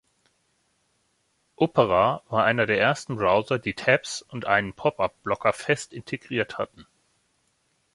Opera war einer der ersten Browser, die Tabs und einen Pop-up-Blocker fest integriert hatten.